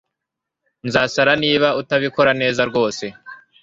Nzasara niba utabikora neza rwose